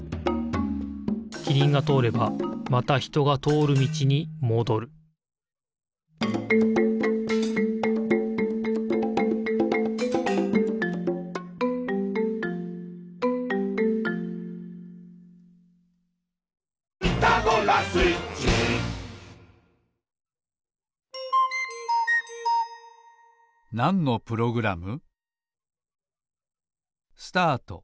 キリンがとおればまたひとがとおるみちにもどるなんのプログラム？